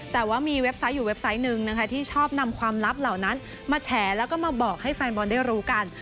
แต่ว่ามีเว็บไซต์อยู่เว็บไซต์หนึ่งนะคะที่ชอบนำความลับเหล่านั้นมาแฉแล้วก็มาบอกให้แฟนบอลได้รู้กัน